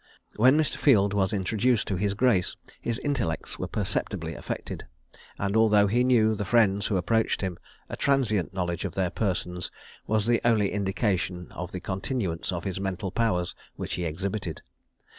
When Mr. Field was introduced to his grace, his intellects were perceptibly affected; and, although he knew the friends who approached him, a transient knowledge of their persons was the only indication of the continuance of his mental powers which he exhibited.